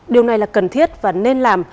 điều này là cần thiết và nên làm